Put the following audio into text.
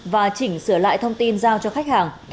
và chỉnh sửa lại thông tin giao cho khách hàng